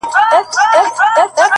هغه به چيري اوسي باران اوري؛ ژلۍ اوري؛